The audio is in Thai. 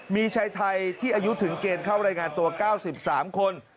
มีชายไทยที่อายุถึงเกณฑ์เข้ารายงานตัว๙๓คน